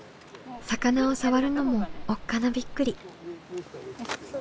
魚を触るのもおっかなびっくり。